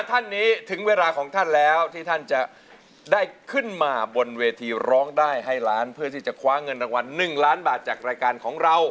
ท่านนี้ถึงเวลาของท่านแล้วที่ท่านจะได้ขึ้นมาบนเวทีร้องได้ให้ล้านเพื่อที่จะคว้าเงินรางวัล๑ล้านบาทจากรายการของเรา